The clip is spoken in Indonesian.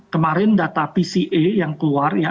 kemarin data pca yang keluar ya